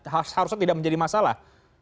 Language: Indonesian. harusnya tidak menjadi masalah